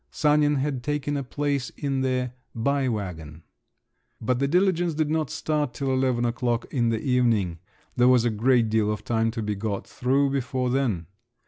Sanin had taken a place in the "bei wagon"; but the diligence did not start till eleven o'clock in the evening. There was a great deal of time to be got through before then.